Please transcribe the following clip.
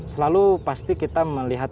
selalu pasti kita memikirkan